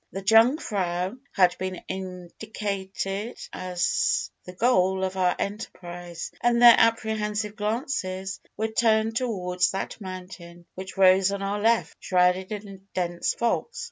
The Jungfrau had been indicated as the goal of our enterprise, and their apprehensive glances were turned towards that mountain, which rose on our left, shrouded in dense fogs.